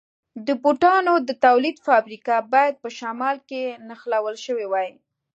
د بوټانو د تولید فابریکه باید په شمال کې نښلول شوې وای.